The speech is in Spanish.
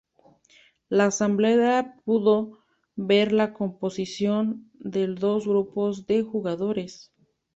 La asamblea pudo ver la composición de los dos grupos de jugadores.